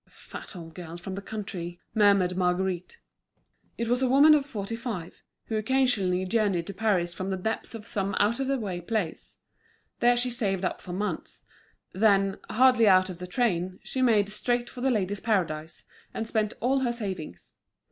"The fat old girl from the country," murmured Marguerite. It was a woman of forty five, who occasionally journeyed to Paris from the depths of some out of the way place. There she saved up for months; then, hardly out of the train, she made straight for The Ladies' Paradise, and spent all her savings.